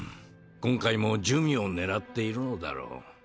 今回も珠魅を狙っているのだろう。